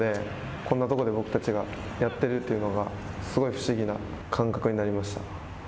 こんなとこで僕たちがやっているというのが、すごい不思議な感覚になりました。